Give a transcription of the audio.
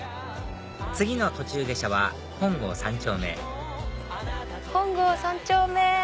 次の途中下車は本郷三丁目本郷三丁目！